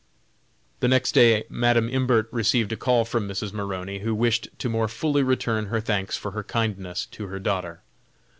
The next day Madam Imbert received a call from Mrs. Maroney, who wished to more fully return her thanks for her kindness to her daughter.